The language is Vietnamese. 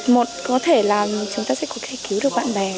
một có thể là chúng ta sẽ có thể cứu được bạn bè